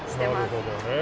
なるほどね。